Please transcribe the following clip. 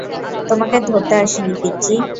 তোমাকে ধরতে আসিনি, পিচ্চি!